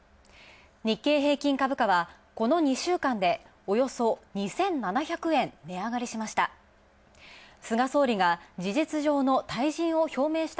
日経平均株価はこの２週間でおよそ２７００円値上がりしました。